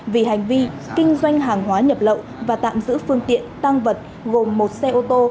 vì hành vi kinh doanh hàng hóa nhập lậu và tạm giữ phương tiện tăng vật gồm một xe ô tô